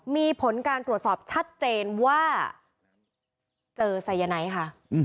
มีผลการตรวจสอบชัดเจนว่าเจอสายไนท์ค่ะ